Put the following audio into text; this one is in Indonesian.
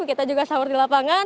kita juga sahur di lapangan